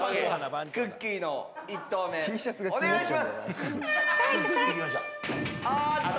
くっきー！の１投目お願いします。